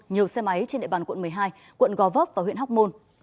nhiều xe máy trên địa bàn quận một mươi hai quận gò vấp và huyện hóc môn